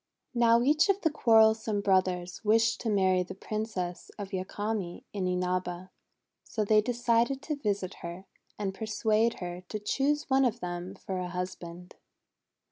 Now each of the quarrelsome brothers wished to marry the Princess of Yakami in Inaba. So they decided to visit her, and persuade her to choose one of them for a husband.